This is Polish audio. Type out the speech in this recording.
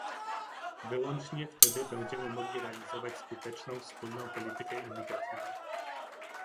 Wyłącznie wtedy będziemy mogli realizować skuteczną wspólną politykę imigracyjną